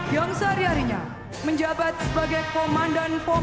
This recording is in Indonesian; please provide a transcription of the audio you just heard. yang sehari harinya menjabat sebagai komandan pom